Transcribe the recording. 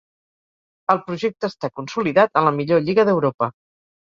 El projecte està consolidat en la millor lliga d'Europa.